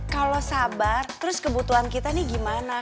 kalau sabar terus kebutuhan kita nih gimana